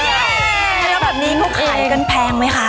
คุณเฮ้ย